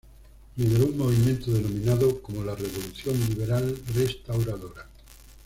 Lideró un movimiento denominado como la "Revolución Liberal Restauradora".